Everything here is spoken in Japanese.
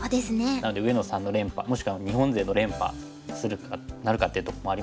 なので上野さんの連覇もしくは日本勢の連覇なるかっていうところもありますし。